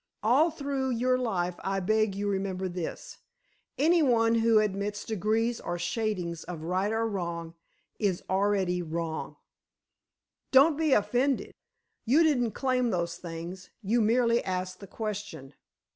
All through your life I beg you remember this: Anyone who admits degrees or shadings of right or wrong—is already wrong. Don't be offended; you didn't claim those things, you merely asked the question.